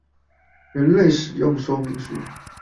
人類使用說明書